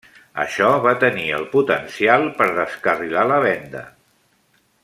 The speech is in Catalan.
Això va tenir el potencial per descarrilar la venda.